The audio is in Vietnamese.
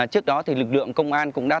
trước đó lực lượng công an cũng đã